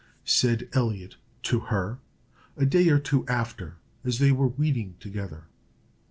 said Elliot to her, a day or two after, as they were reading together.